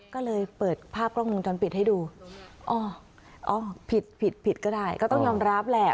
ก็เลยเปิดภาพกล้องวงจรปิดให้ดูอ๋ออ๋อผิดผิดผิดก็ได้ก็ต้องยอมรับแหละ